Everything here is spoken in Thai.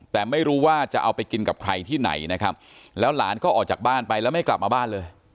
แต่ไม่รู้ว่าจะเอาไปกินกับใครที่ไหนนะครับแล้วหลานก็ออกจากบ้านไปแล้วไม่กลับมาบ้านเลย